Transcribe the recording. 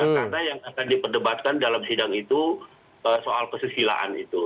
karena yang akan diperdebatkan dalam sidang itu soal kesusilaan itu